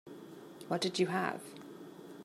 What did you have?